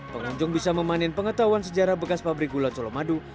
pengunjung bisa memanen pengetahuan sejarah bekas pabrik gula colomadu